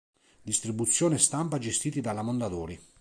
Distribuzione e stampa gestiti dalla Mondadori.